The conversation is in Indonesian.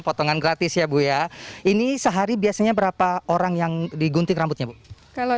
potongan gratis ya bu ya ini sehari biasanya berapa orang yang digunting rambutnya bu kalau